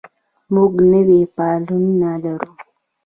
موږ نوي پلانونه لرو.